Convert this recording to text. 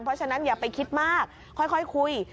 เพราะฉะนั้นอย่าไปคิดมากค่อยคุย